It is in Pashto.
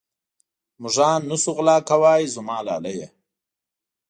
مږان نه شو غلا کوې زما لالیه.